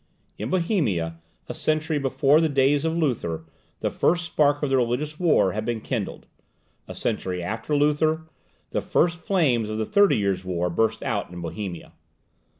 In Bohemia, a century before the days of Luther, the first spark of the religious war had been kindled; a century after Luther, the first flames of the thirty years' war burst out in Bohemia.